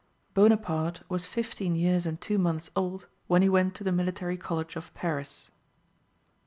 Bonaparte was fifteen years and two months old when he went to the Military College of Paris.